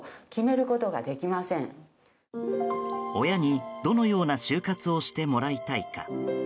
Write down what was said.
親に、どのような終活をしてもらいたいか。